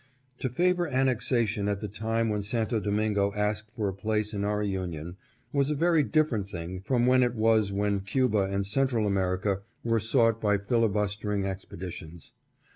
To favor annexation at the time when Santo Domingo asked for a place in our union, was a very different thing from what it was when Cuba and Central America were sought by fillibustering expe ditions.